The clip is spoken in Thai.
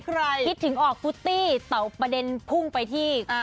คิดถึงออกฟุตตี้เต่าประเด็นพุ่งไปที่